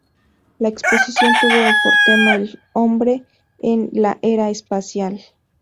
La exposición tuvo por tema "El hombre en la era espacial".